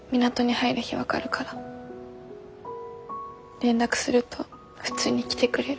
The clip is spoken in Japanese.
連絡すると普通に来てくれる。